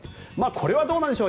これはどうなんでしょう。